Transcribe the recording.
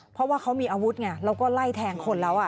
เพราะว่าเขามีอาวุธไงแล้วก็ไล่แทงคนแล้ว